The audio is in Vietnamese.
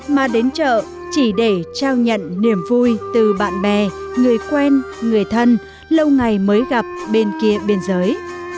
mà đến chợ chỉ để trao nhận niềm vui từ bạn bè người quen người thân lâu ngày mới gặp bên kia biên giới